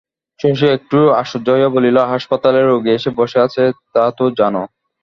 শশী একটু আশ্চর্য হইয়া বলিল, হাসপাতালে রোগী এসে বসে আছে তা তো জানো?